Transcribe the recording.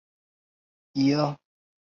帕基人的主要职业是农业。